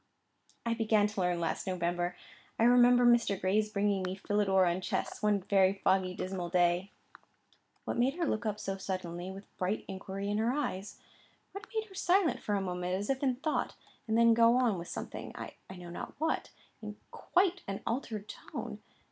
"I began to learn last November. I remember Mr. Gray's bringing me 'Philidor on Chess,' one very foggy, dismal day." What made her look up so suddenly, with bright inquiry in her eyes? What made her silent for a moment as if in thought, and then go on with something, I know not what, in quite an altered tone?